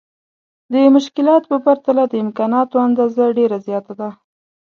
د مشکلاتو په پرتله د امکاناتو اندازه ډېره زياته ده.